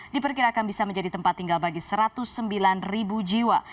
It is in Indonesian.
diperkirakan bisa menjadi tempat tinggal bagi satu ratus sembilan ribu jiwa